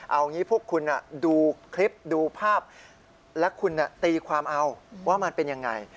เอางี้พวกคุณดูคลิปดูภาพและคุณตีความเอาว่ามันเป็นยังไง